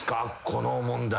この問題。